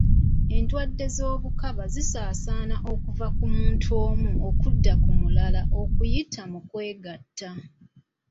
Endwadde z'obukaba zisaasaana okuva ku muntu omu okudda ku mulala okuyita mu kwegatta.